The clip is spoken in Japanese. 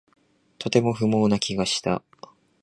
とても不毛な気がした